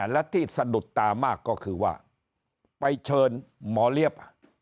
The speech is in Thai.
และที่สะดุดตามากก็คือว่าไปเชิญหมอเลี้ย